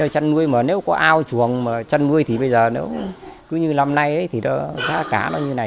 chăn nuôi mà nếu có ao chuồng chăn nuôi thì bây giờ cứ như lắm nay thì giá cá nó như thế này